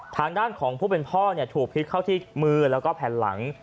ทางด้านของผู้เป็นพ่อถูกพิษเข้าที่มือแล้วก็แผ่นหลัง